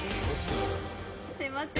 すみません。